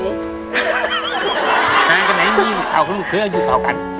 อยู่เท่ากันก็ไม่มีอยู่เท่ากันหลุดเคยอยู่เท่ากัน